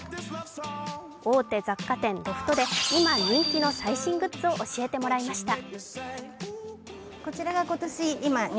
大手雑貨店・ロフトで今、人気の最新グッズを教えてもらいました。